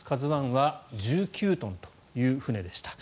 「ＫＡＺＵ１」は１９トンという船でした。